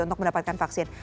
untuk mendapatkan vaksin